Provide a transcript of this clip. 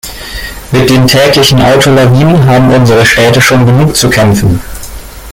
Mit den täglichen Autolawinen haben unsere Städte schon genug zu kämpfen.